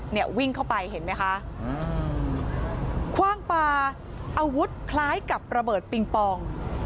เนี่ยวิ่งเข้าไปเห็นไหมคะคว่างปลาอาวุธคล้ายกับระเบิดปิงปอง